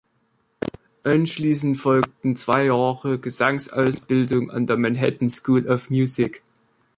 Anschließend folgten zwei Jahre Gesangsausbildung an der Manhattan School of Music.